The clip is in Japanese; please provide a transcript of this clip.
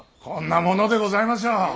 こんなものでございましょう。